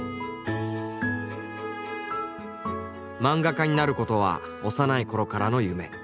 漫画家になることは幼い頃からの夢。